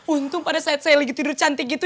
untung pada saat saya lagi tidur cantik gitu